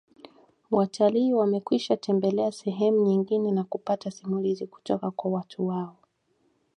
Watalii wamekwishatembelea sehemu nyingine na kupata simulizi kutoka kwa watu wao